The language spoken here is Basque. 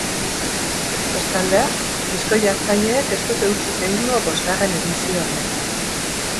Bestalde, disko jartzaileek ez dute hutsik egingo bosgarren edizio honetan.